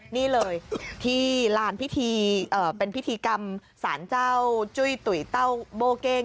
นี่เลยที่ลานพิธีเป็นพิธีกรรมสารเจ้าจุ้ยตุ๋ยเต้าโบ้เก้ง